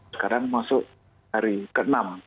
sekarang masuk hari ke enam